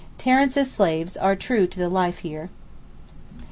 Terence's slaves are true to the life here.